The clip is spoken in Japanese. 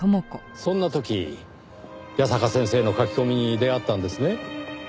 そんな時矢坂先生の書き込みに出会ったんですね。